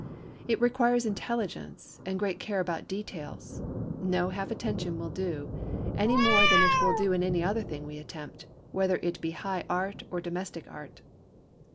It requires intelligence and great care about details: no half attention will do, any more than it will in any other thing we attempt, whether it be high art or domestic art.